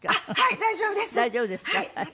大丈夫ですか？